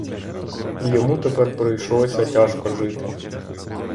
Йому тепер прийшлося тяжко жити.